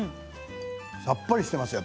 さっぱりしていますね